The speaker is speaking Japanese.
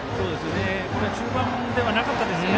これは中盤ではなかったですからね